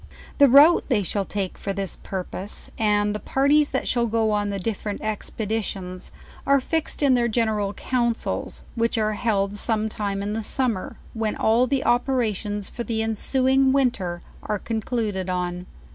The route they shall take for this purpose, and the parties that shall go on the different expeditions, are fixed in their general councils, which are held some time in the summer, when all the operations for the ensuing winter are concluded on.